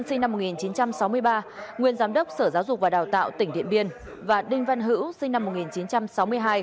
sinh năm một nghìn chín trăm sáu mươi ba nguyên giám đốc sở giáo dục và đào tạo tỉnh điện biên và đinh văn hữu sinh năm một nghìn chín trăm sáu mươi hai